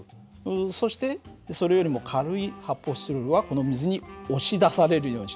そしてそれよりも軽い発泡スチロールはこの水に押し出されるようにして前に行ったんだ。